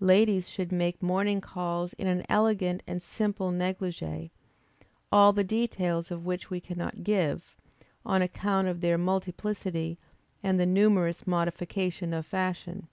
Ladies should make morning calls in an elegant and simple négligé, all the details of which we cannot give, on account of their multiplicity and the numerous modification of fashion.